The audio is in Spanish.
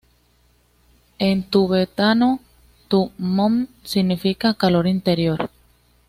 En tibetano "tu-mmo" significa ‘calor interior’.